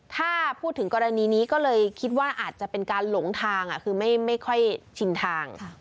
ถ้าพูดถึงกรณีนี้ก็เลยคิดว่าอาจจะเป็นการหลงทางคือไม่ค่อยชินทาง